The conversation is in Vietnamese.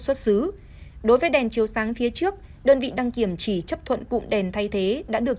xuất xứ đối với đèn chiếu sáng phía trước đơn vị đăng kiểm chỉ chấp thuận cụm đèn thay thế đã được